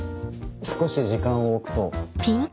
少し時間を置くと。